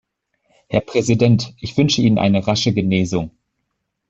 Herr Präsident, ich wünsche Ihnen eine rasche Genesung.